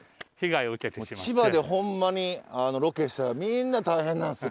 千葉でほんまにロケしたらみんな大変なんすよ